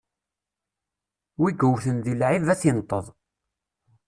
Wi iwwten di lɛib, ad t-inṭeḍ.